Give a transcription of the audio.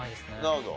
なるほど。